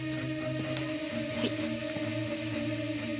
はい。